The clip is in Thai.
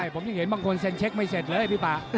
ผมยังเห็นบางคนเซ็นเช็คไม่เสร็จเลยพี่ป่า